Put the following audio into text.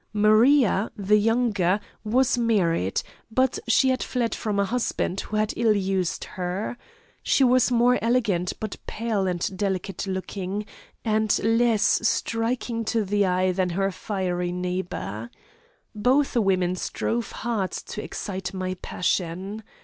Maria, the younger, was married, but she had fled from a husband, who had ill used her. She was more elegant, but pale and delicate looking, and less striking to the eye than her fiery neighbour. Both women strove hard to excite my passion.